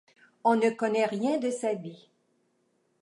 On ne connaît rien de sa vie.